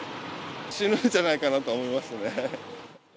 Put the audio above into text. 死ぬんじゃないかなと思いましたね。